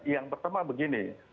yang pertama begini